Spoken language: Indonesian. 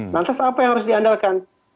lantas apa yang harus diandalkan